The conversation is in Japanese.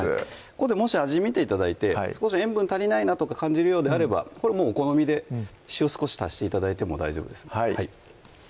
ここでもし味見て頂いて少し塩分足りないなとか感じるようであればお好みで塩少し足して頂いても大丈夫ですはい